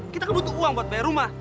kita kan butuh uang buat bayar rumah